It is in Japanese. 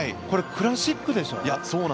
これ、クラシックでしょ。